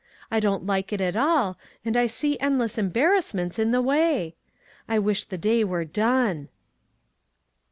I don't like it at all, and I see end less embarrassments in the way. I wish the day were done."